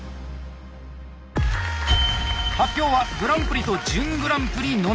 発表はグランプリと準グランプリのみ。